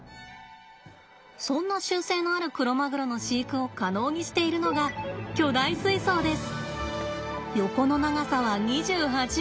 そんな習性のあるクロマグロの飼育を可能にしているのが巨大水槽です。